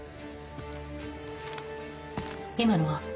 今のは？